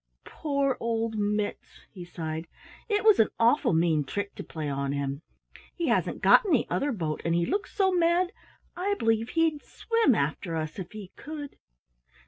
"Poor old Mitts," he sighed, "it was an awful mean trick to play on him! He hasn't got any other boat and he looks so mad, I b'lieve he'd swim after us if he could."